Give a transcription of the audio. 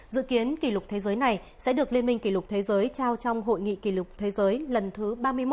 dự kiến kỷ lục thế giới này sẽ được liên minh kỷ lục thế giới trao trong hội nghị kỷ lục thế giới lần thứ ba mươi một